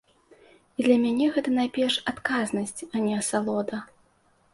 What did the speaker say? І для мяне гэта найперш адказнасць, а не асалода.